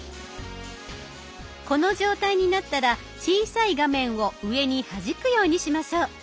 この状態になったら小さい画面を上にはじくようにしましょう。